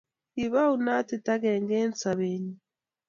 kipoa naitaut akenge eng sapet nyuu